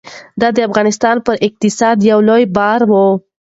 دا د افغانستان پر اقتصاد یو لوی بار و.